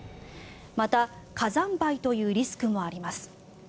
また、火山灰というリスクもあります。